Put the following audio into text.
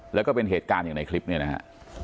แล้วก็เป็นเหตุการณ์อย่างในคลิปเนี่ยนะฮะ